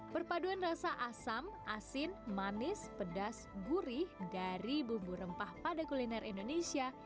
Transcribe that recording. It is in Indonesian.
perpaduan rasa asam asin manis pedas gurih dari bumbu rempah pada kuliner indonesia